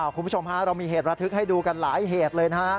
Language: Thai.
คุณผู้ชมฮะเรามีเหตุระทึกให้ดูกันหลายเหตุเลยนะฮะ